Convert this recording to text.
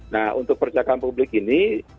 nah untuk percakapan publik ini